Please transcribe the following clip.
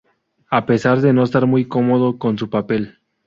A pesar de no estar muy cómodo con su papel.